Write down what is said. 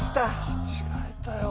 間違えたよ。